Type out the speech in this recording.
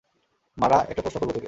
মারা, একটা প্রশ্ন করবো তোকে।